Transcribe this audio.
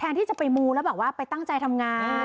ที่จะไปมูแล้วแบบว่าไปตั้งใจทำงาน